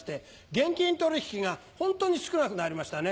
現金取引が本当に少なくなりましたね。